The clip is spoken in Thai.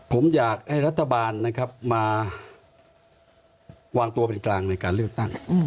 ผมอยากให้รัฐบาลนะครับมาวางตัวเป็นกลางในการเลือกตั้ง